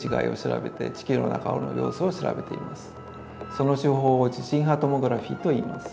その手法を「地震波トモグラフィー」といいます。